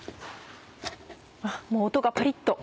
もう音がパリっと。